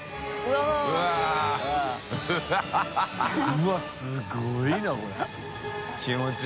うわっすごいなこれ。